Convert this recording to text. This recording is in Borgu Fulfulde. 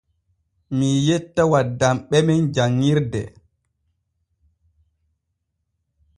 Mii yetta waddamɓe men janŋirde.